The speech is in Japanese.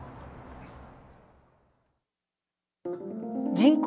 人口